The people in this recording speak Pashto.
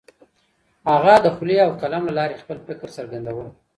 هغه د خولې او قلم له لارې خپل فکر څرګنداوه.